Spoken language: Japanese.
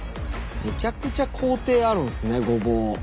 むちゃくちゃ工程あるんすねごぼう。